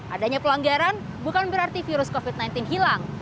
adanya pelanggaran bukan berarti virus covid sembilan belas hilang